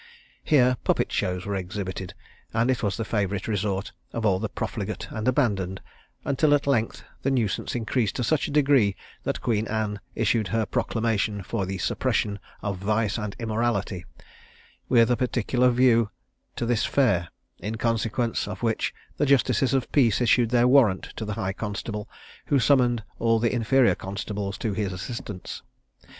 Here puppet shows were exhibited, and it was the favourite resort of all the profligate and abandoned, until at length the nuisance increased to such a degree, that Queen Anne issued her Proclamation for the Suppression of Vice and Immorality, with a particular view to this fair; in consequence of which the justices of peace issued their warrant to the high constable, who summoned all the inferior constables to his assistance.